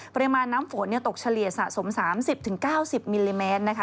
ปริมาณน้ำฝนตกเฉลี่ยสะสม๓๐๙๐มิลลิเมตรนะคะ